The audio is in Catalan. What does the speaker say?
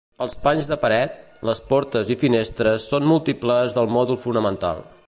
Els panys de paret, les portes i finestres són múltiples del mòdul fonamental.